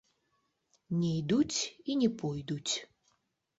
Не ідуць і не пойдуць.